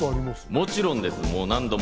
もちろんです。